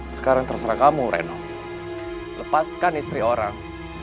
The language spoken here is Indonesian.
sekarang terserah kamu reno lepaskan istri orang